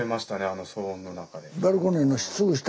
あの騒音の中で。